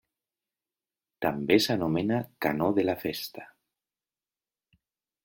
També s'anomena Canó de la Festa.